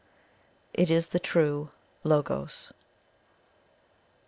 It is the true Logos.